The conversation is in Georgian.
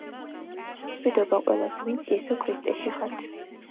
მშვიდობა ყველას, ვინც იესო ქრისტეში ხართ.